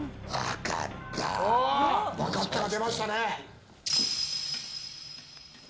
分かった！が出ましたね。